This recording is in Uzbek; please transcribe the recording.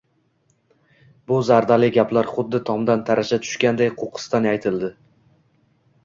Bu zardali gaplar xuddi tomdan tarasha tushganday qo‘qqisdan aytildi